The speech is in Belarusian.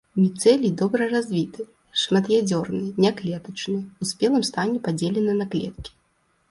Міцэлій добра развіты, шмат'ядзерны, няклетачны, у спелым стане падзелены на клеткі.